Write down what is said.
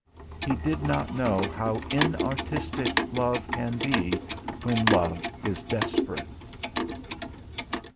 He did not know how inartistic love can be when love is desperate.